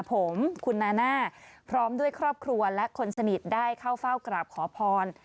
ผมคุณนาน่าพร้อมด้วยครอบครัวและคนสนิทได้เข้าเฝ้ากราบขอพร